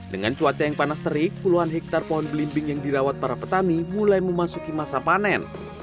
dengan cuaca yang panas terik puluhan hektare pohon belimbing yang dirawat para petani mulai memasuki masa panen